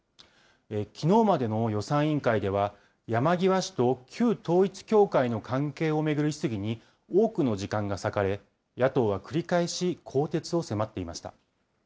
きのうまでの予算委員会では、山際氏と旧統一教会の関係を巡る質疑に多くの時間が割かれ、野党は繰り返し更迭を迫っていました。